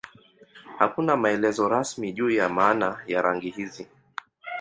Hakuna maelezo rasmi juu ya maana ya rangi hizi.